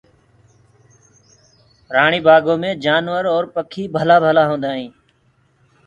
رآڻي بآگو مي جآنور اور پکي ڀلآ ڀلآ هوندآ هينٚ۔